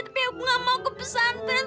tapi aku gak mau ke pesantren